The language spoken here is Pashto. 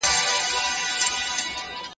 ملا بانګ په خپل کټ کې د پوره ډاډ احساس کاوه.